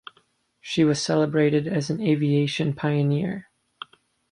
She was celebrated as an aviation pioneer.